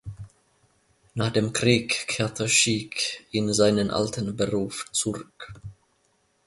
Nach dem Krieg kehrte Schiek in seinen alten Beruf zurück.